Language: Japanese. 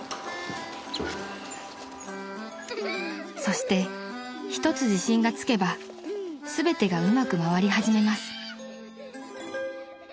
［そして一つ自信がつけば全てがうまく回り始めます］